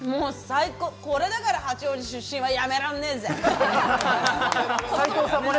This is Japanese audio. これだから八王子出身は、やめらんねぇぜ。